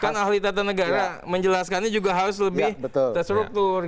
kan ahli tata negara menjelaskannya juga harus lebih terstruktur